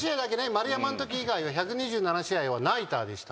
円山のとき以外は１２７試合はナイターでした。